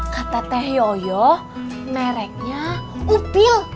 kata teh yoyo mereknya upil